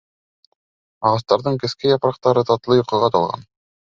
Ағастарҙың кескәй япраҡтары татлы йоҡоға талған.